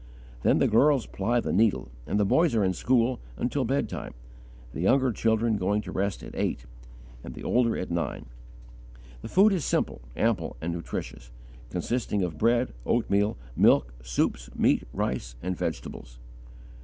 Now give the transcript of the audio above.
Then the girls ply the needle, and the boys are in school, until bedtime, the younger children going to rest at eight, and the older, at nine. The food is simple, ample, and nutritious, consisting of bread, oatmeal, milk, soups, meat, rice, and vegetables.